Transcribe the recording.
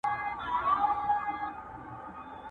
جهاني به وي د شپو له کیسو تللی!.